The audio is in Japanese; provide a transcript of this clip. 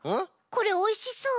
これおいしそう。